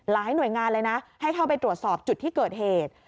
หน่วยงานเลยนะให้เข้าไปตรวจสอบจุดที่เกิดเหตุ